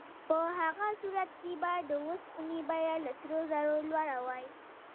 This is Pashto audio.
په هغه صورت کې باید د اوسپنې بیه له سرو زرو لوړه وای.